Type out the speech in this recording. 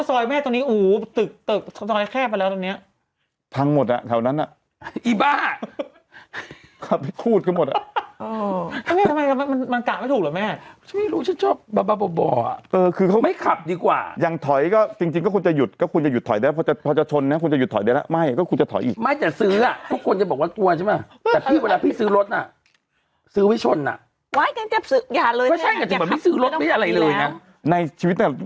ซอยแม่ตรงนี้อู๋ตึกตึกซอยแคบไปแล้วตรงเนี้ยพังหมดแล้วแถวนั้นอ่ะอีบ้าขับไปพูดขึ้นหมดอ่ะอ๋อแม่ทำไมมันมันกะไม่ถูกหรอแม่ฉันไม่รู้ฉันชอบบ่อบ่อบ่อบ่ออ่ะเออคือเขาไม่ขับดีกว่าอย่างถอยก็จริงจริงก็คุณจะหยุดก็คุณจะหยุดถอยได้แล้วพอจะพอจะชนเนี้ย